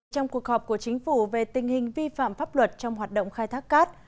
trong cuộc họp của chính phủ về tình hình vi phạm pháp luật trong hoạt động khai thác cát